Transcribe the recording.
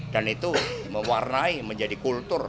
dan itu mewarnai menjadi kultur